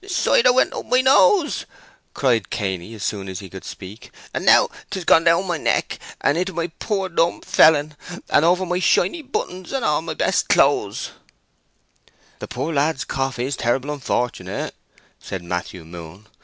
"The cider went up my nose!" cried Cainy, as soon as he could speak; "and now 'tis gone down my neck, and into my poor dumb felon, and over my shiny buttons and all my best cloze!" "The poor lad's cough is terrible unfortunate," said Matthew Moon.